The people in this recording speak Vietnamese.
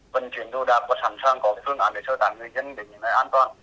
vân chuyển đồ đạp và sẵn sàng có phương án để sơ tạp người dân để những nơi an toàn